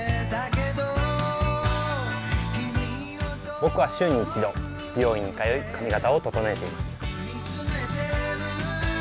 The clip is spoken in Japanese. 僕は週に１度美容院に通い、髪形を整えています。